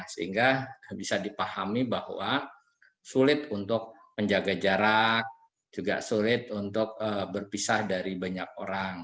sehingga bisa dipahami bahwa sulit untuk menjaga jarak juga sulit untuk berpisah dari banyak orang